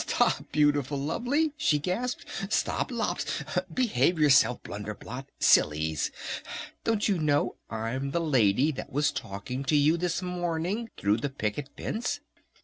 "Stop, Beautiful Lovely!" she gasped. "Stop, Lopsy! Behave yourself, Blunder Blot! Sillies! Don't you know I'm the lady that was talking to you this morning through the picket fence?